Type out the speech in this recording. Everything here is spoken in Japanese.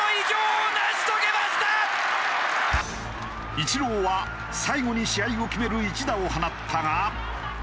イチローは最後に試合を決める一打を放ったが。